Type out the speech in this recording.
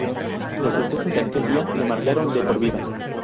Los sucesos de aquel día le marcaron de por vida.